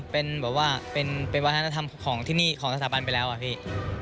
เป็นแบบว่าเป็นวัฒนธรรมของที่นี่ของสถาบันไปแล้วอะพี่